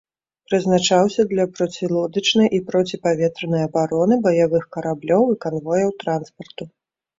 Прызначаўся для процілодачнай і проціпаветранай абароны баявых караблёў і канвояў транспарту.